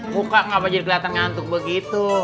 muka kapan jadi keliatan ngantuk begitu